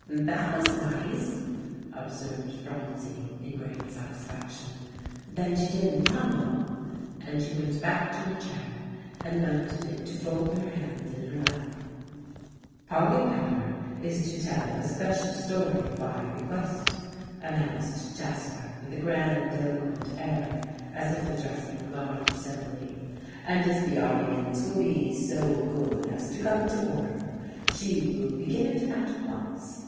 "That was nice," observed Phronsie in great satisfaction, "then she didn't tumble;" and she went back to her chair, and mounted it to fold her hands in her lap. "Polly Pepper is to tell a special story by request," announced Jasper with a grandiloquent air as if addressing a large assembly, "and if the audience will be so good as to come to order, she will begin it at once.